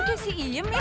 itu kayak si iem iya